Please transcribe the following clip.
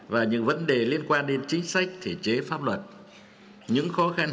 và những vấn đề liên quan